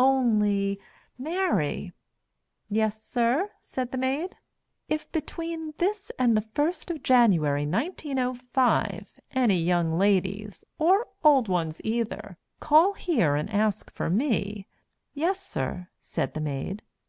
Only, Mary " "Yessir?" said the Maid. "If between this and the first of January, 1905, any young ladies, or old ones either, call here and ask for me " "Yessir," said the Maid.